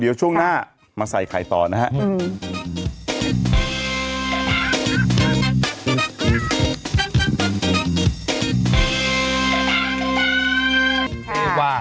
เดี๋ยวช่วงหน้ามาใส่ไข่ต่อนะฮะ